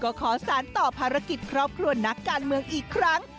ก็ขอสารต่อภารกิจครอบครัวนักการเมืองอีกครั้ง